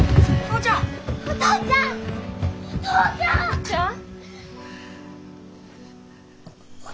お父ちゃん！